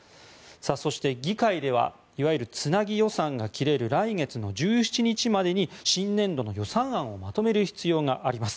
そして、議会ではいわゆるつなぎ予算が切れる来月１７日までに新年度の予算案をまとめる必要があります。